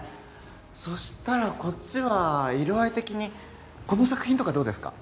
そしたらこっちは色合い的にこの作品とかどうですか？